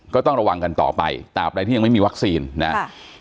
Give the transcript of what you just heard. ก็ต้องระวังกันต่อไปตามใดที่ยังไม่มีวัคซีนนะครับ